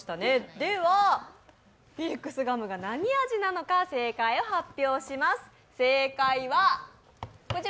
では、フィリックスガムが何味なのか、正解を発表します。